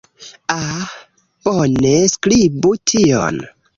Ah, bone. Skribu tion.